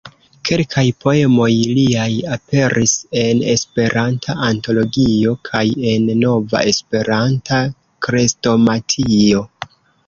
Kelkaj poemoj liaj aperis en "Esperanta Antologio" kaj en "Nova Esperanta Krestomatio".